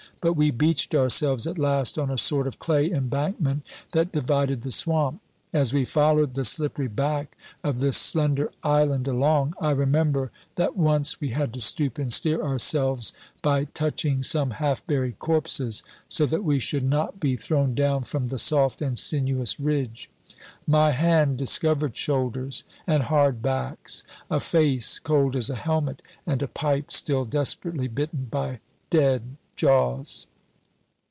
But we beached ourselves at last on a sort of clay embankment that divided the swamp. As we followed the slippery back of this slender island along, I remember that once we had to stoop and steer ourselves by touching some half buried corpses, so that we should not be thrown down from the soft and sinuous ridge. My hand discovered shoulders and hard backs, a face cold as a helmet, and a pipe still desperately bitten by dead jaws.